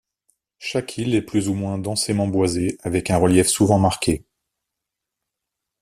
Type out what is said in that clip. Chaque île est plus ou moins densément boisée, avec un relief souvent marqué.